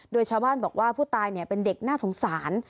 โดยชาวบ้านบอกว่าผู้ตายเป็นเด็กน่าสงสาร